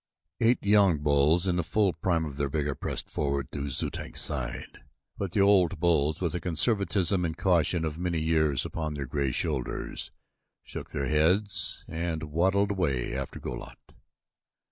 Eight young bulls in the full prime of their vigor pressed forward to Zu tag's side, but the old bulls with the conservatism and caution of many years upon their gray shoulders, shook their heads and waddled away after Go lat.